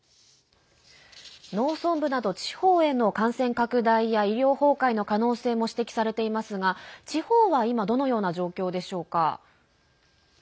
農村部など地方への感染拡大や医療崩壊の可能性も指摘されていますが地方は今どのような状況でしょうか？